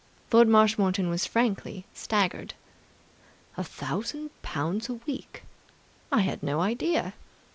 Lord Marshmoreton was frankly staggered. "A thousand pounds a week! I had no idea!"